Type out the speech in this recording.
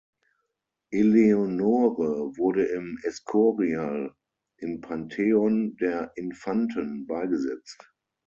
Eleonore wurde im Escorial im Pantheon der Infanten beigesetzt.